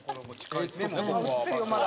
映ってるよまだ。